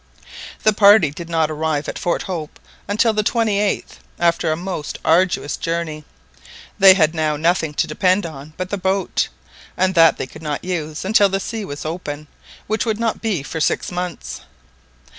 The party did not arrive at Fort Hope until the 28th, after a most arduous journey. They had now nothing to depend on but the boat, and that they could not use until the sea was open, which would not be for six months.